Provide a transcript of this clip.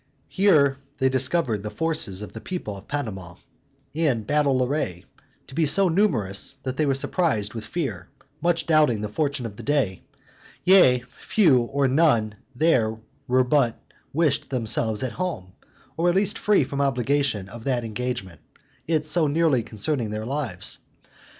Here they discovered the forces of the people of Panama, in battle array, to be so numerous, that they were surprised with fear, much doubting the fortune of the day: yea, few or none there were but wished themselves at home, or at least free from obligation of that engagement, it so nearly concerning their lives.